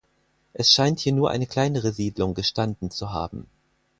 Es scheint hier nur eine kleinere Siedlung gestanden zu haben.